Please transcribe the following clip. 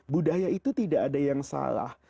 budaya itu tidak ada yang salah